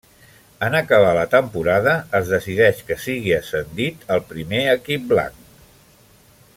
En acabar la temporada, es decideix que sigui ascendit al primer equip blanc.